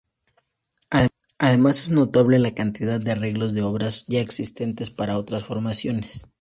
Además es notable la cantidad de arreglos de obras ya existentes para otras formaciones.